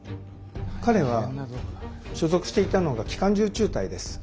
彼は所属していたのが機関銃中隊です。